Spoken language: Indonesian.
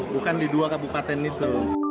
bukan di dua kabupaten itu